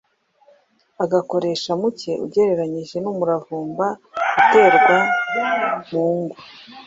agakoresha muke ugereranyije n’umuravumba uterwa mu ngo